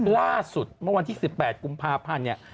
ล่าสุดเมื่อวันที่สิบแปดกุมภาพ่านเนี่ย